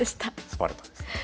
スパルタですね。